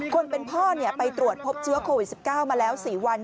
คนเป็นพ่อไปตรวจพบเชื้อโควิด๑๙มาแล้ว๔วัน